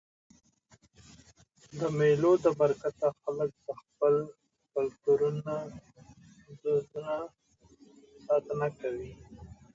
د مېلو له برکته خلک د خپلو کلتوري دودونو ساتنه کوي.